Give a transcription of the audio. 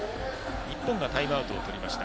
日本がタイムアウトを取りました。